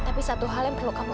tapi satu hal yang perlu kamu